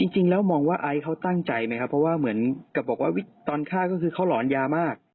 จริงแล้วมองว่าไอซ์เขาตั้งใจไหมครับเพราะว่าเหมือนกับบอกว่าตอนฆ่าก็คือเขาหลอนยามาก